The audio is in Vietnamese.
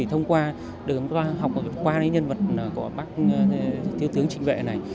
thông qua được học qua những nhân vật của bác thiếu tướng trịnh vệ này